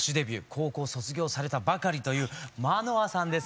高校を卒業されたばかりという舞乃空さんです。